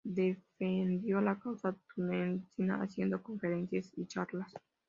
Defendió la causa tunecina haciendo conferencias y charlas.